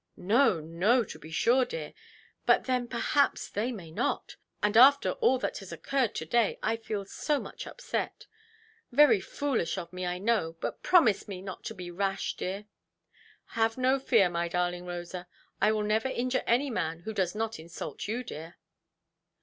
"No, no, to be sure, dear. But then, perhaps, they may not. And after all that has occurred to–day, I feel so much upset. Very foolish of me, I know. But promise me not to be rash, dear". "Have no fear, my darling Rosa. I will never injure any man who does not insult you, dear".